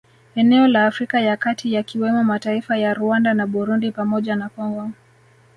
Eneo la Afrika ya kati yakiwemo mataifa ya Rwanda na Burundi pamoja na Congo